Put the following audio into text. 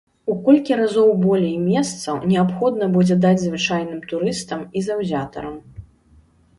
У колькі разоў болей месцаў неабходна будзе даць звычайным турыстам і заўзятарам.